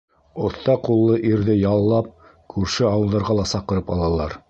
Оҫта ҡуллы ирҙе яллап, күрше ауылдарға ла саҡырып алалар.